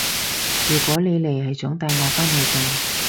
如果你嚟係想帶我返去嘅